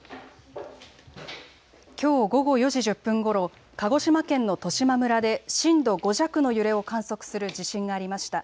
きょう午後４時１０分ごろ、鹿児島県の十島村で震度５弱の揺れを観測する地震がありました。